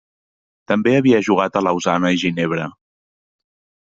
També havia jugat a Lausana i Ginebra.